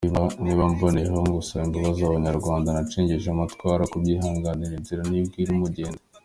Ngaba mboneyeho nogusaba imbabazi abanyarwanda nacengeje amatwara kubyihanganira inzira ntibwira umugenzi!